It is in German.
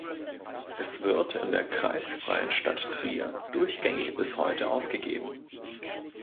Es wird in der kreisfreien Stadt Trier durchgängig bis heute ausgegeben.